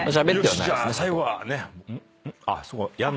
じゃあ最後はね。